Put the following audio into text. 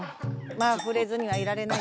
まあ触れずにはいられないじゃろ。